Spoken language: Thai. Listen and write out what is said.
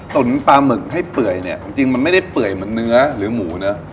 ตุ๋นปลาหมึกให้เปื่อยเนี่ยจริงมันไม่ได้เปื่อยเหมือนเนื้อหรือหมูนะ